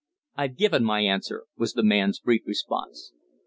"I've given my answer," was the man's brief response.